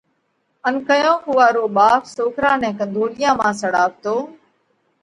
ان ڪيونڪ اُوئا رو ٻاپ سوڪرا نئہ ڪنڌولِيا مانه سڙاوَتو۔